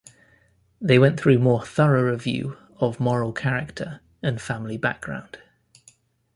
They went through more thorough review of moral character and family background.